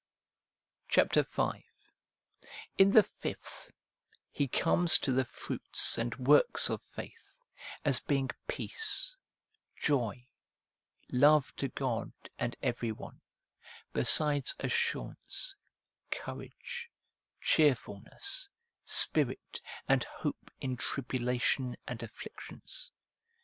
Chapter V. In the fifth, he comes to the fruits and works of faith, as being peace, joy, love to God and every one, besides assurance, courage, cheerfulness, spirit, and hope in tribulation and afflictions.